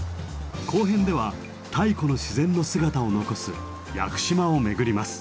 後編では太古の自然の姿を残す屋久島を巡ります。